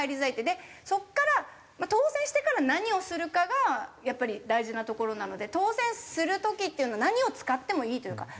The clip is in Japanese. でそこから当選してから何をするかがやっぱり大事なところなので当選する時っていうのは何を使ってもいいというか。